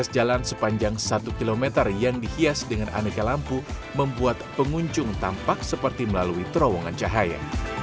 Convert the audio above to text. jalan sepanjang satu km yang dihias dengan aneka lampu membuat pengunjung tampak seperti melalui terowongan cahaya